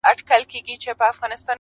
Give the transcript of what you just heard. o مړه راگوري مړه اكثر ـ